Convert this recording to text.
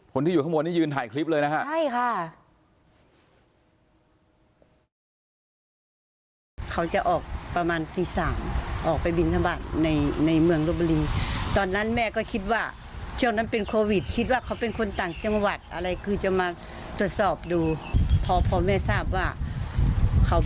ที่อยู่ข้างบนนี้ยืนถ่ายคลิปเลยนะฮะใช่ค่ะ